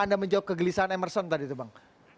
anda menjawab kegelisahan emerson tadi itu bang